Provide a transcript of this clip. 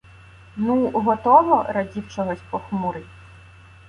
— Ну, готово? — радів чогось похмурий.